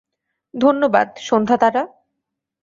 ধন্যবাদ, সন্ধ্যা তারা।